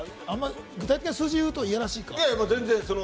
具体的な数字でいうとやらしいかな？